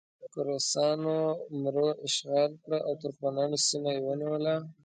که روسانو مرو اشغال کړه او ترکمنانو سیمه یې ونیوله.